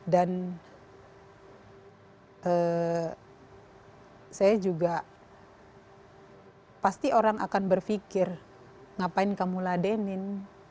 dan saya juga pasti orang akan berpikir ngapain kamu ladenin